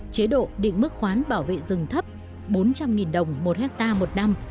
chế độ định mức khoán bảo vệ rừng thấp bốn trăm linh đồng một hectare một năm